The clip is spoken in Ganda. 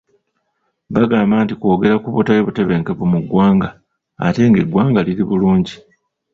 Bagamba nti kwogera ku butali butebenkevu mu ggwanga ate eggwanga liri bulungi.